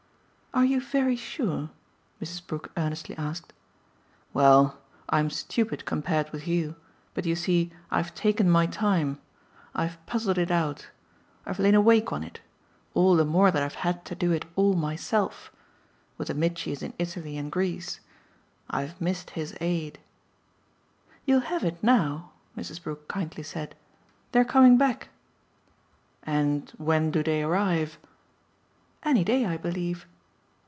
"Are you very sure?" Mrs. Brook earnestly asked. "Well, I'm stupid compared with you, but you see I've taken my time. I've puzzled it out. I've lain awake on it: all the more that I've had to do it all myself with the Mitchys in Italy and Greece. I've missed his aid." "You'll have it now," Mrs. Brook kindly said. "They're coming back." "And when do they arrive?" "Any day, I believe."